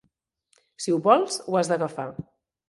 Si ho vols, ho has d'agafar.